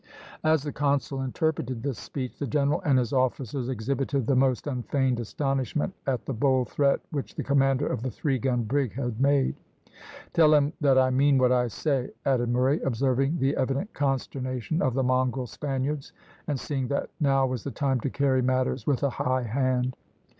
As the consul interpreted this speech, the general and his officers exhibited the most unfeigned astonishment at the bold threat which the commander of the three gun brig had made. "Tell him that I mean what I say," added Murray, observing the evident consternation of the mongrel Spaniards, and seeing that now was the time to carry matters with a high hand.